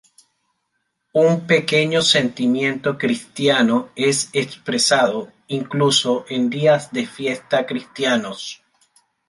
Un pequeño sentimiento cristiano es expresado, incluso en días de fiesta cristianos.